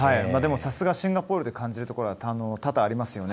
さすが、シンガポールという感じるところは多々ありますよね。